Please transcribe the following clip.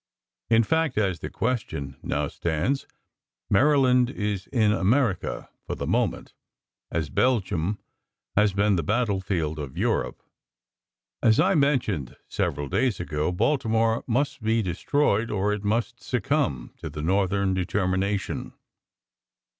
In fact, as the question now stands, Maryland is in America, for the moment, as Belgium has been the battlefield of Europe. As I mentioned several days ago, Baltimore must be destroyed or it must succumb to Northern determination.